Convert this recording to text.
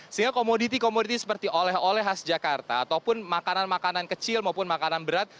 sehingga komoditi komoditi seperti oleh oleh khas jakarta ataupun makanan makanan kecil maupun makanan berat